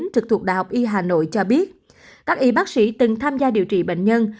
trực thuộc đh y hà nội cho biết các y bác sĩ từng tham gia điều trị bệnh nhân